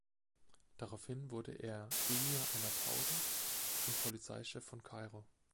Daraufhin wurde er "Emir einer Tausend" und Polizeichef von Kairo.